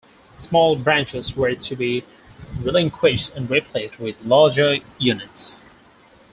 Small branches were to be relinquished and replaced with larger units.